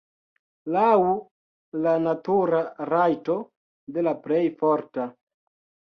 Laŭ la natura rajto de la plej forta.